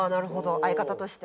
相方として。